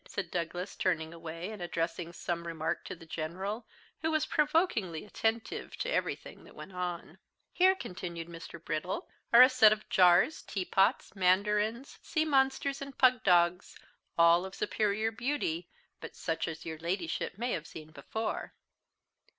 said Douglas, turning away, and addressing some remark to the General, who was provokingly attentive to everything that went on. "Here," continued Mr. Brittle, "are a set of jars, teapots, mandarins, sea monsters, and pug dogs, all of superior beauty, but such as your Ladyship may have seen before."